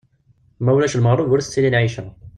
Ma ulac lmeɣreb ur tettili lɛica.